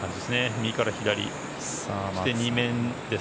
右から左、そして２面です。